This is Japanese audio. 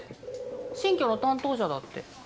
新居の担当者だって。